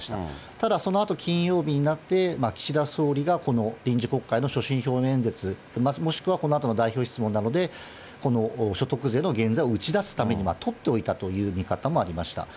ただ、そのあと金曜日になって、岸田総理がこの臨時国会の所信表明演説、もしくはこのあとの代表質問の中で、この所得税の減税を打ち出すために取っておいたという見方もありました。